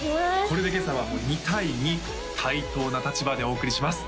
これで今朝は２対２対等な立場でお送りします